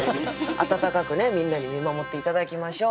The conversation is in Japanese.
温かくねみんなに見守って頂きましょう。